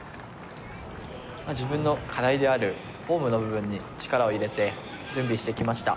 自分の課題であるフォームの部分に力を入れて、準備してきました。